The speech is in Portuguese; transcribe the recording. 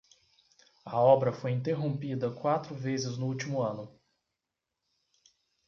A obra foi interrompida quatro vezes no último ano